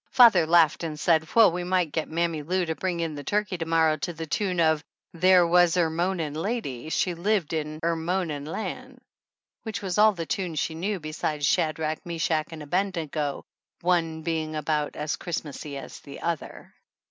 Father laughed and said, well, we might get Mammy Lou to bring in the turkey to morrow to the tune of "There wuz er moanin' lady, she lived in er moanin' Ian'," which was all the tune she knew besides Shadrach, Meshach and Abednego, one being about as Christmasy as the other.